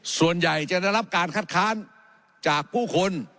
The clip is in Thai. ส่วนใหญ่จะได้รับการคัดค้านจากผู้คน